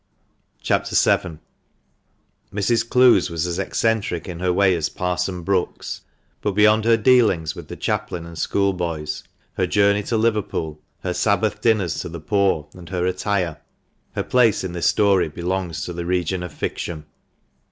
CHAP. VII. — Mrs. Clowes was as eccentric in her way as Parson Brookes ; but beyond her dealings with the chaplain and school boys, her journey to Liverpool, her Sabbath dinners to the poor, and her attire, her place in this story belongs to the region of fiction.